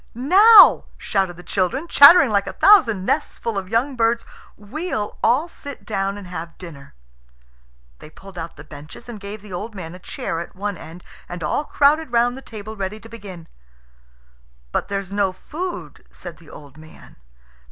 "Now!" shouted the children, chattering like a thousand nests full of young birds, "we'll all sit down and have dinner." They pulled out the benches and gave the old man a chair at one end, and all crowded round the table ready to begin. "But there's no food," said the old man.